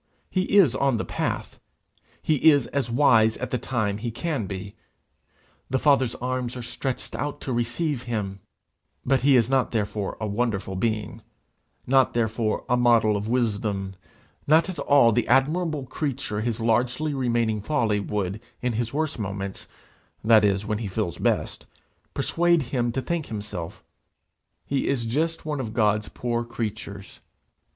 He is on the path; he is as wise as at the time he can be; the Father's arms are stretched out to receive him; but he is not therefore a wonderful being; not therefore a model of wisdom; not at all the admirable creature his largely remaining folly would, in his worst moments, that is when he feels best, persuade him to think himself; he is just one of God's poor creatures.